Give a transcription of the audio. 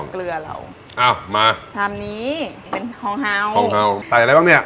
เกลือเราอ้าวมาชามนี้เป็นฮองเฮาวเฮาใส่อะไรบ้างเนี้ย